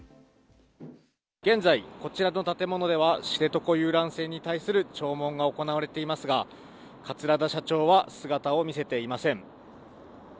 現在、こちらの建物では知床遊覧船に対する聴聞が行われていますが、桂田社長は姿を見せていません。